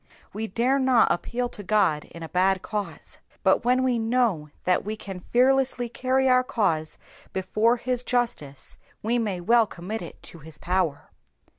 We dare not appeal to God in a bad cause, but when we know that we can fearlessly carry our cause before his justice we may well commit it to his power.